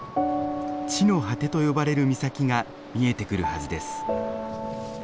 地の果てと呼ばれる岬が見えてくるはずです。